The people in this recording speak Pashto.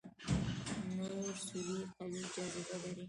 تور سوري قوي جاذبه لري.